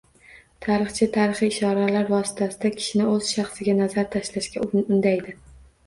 Tarixchi tarixiy ishoralar vositasida kishini o‘z shaxsiga nazar tashlashga undaydi